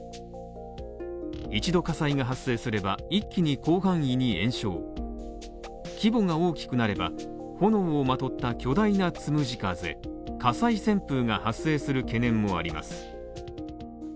一度火災が発生すれば、一気に広範囲に延焼規模が大きくなれば、炎をまとった巨大なつむじ風火災旋風が発生する懸念もあります。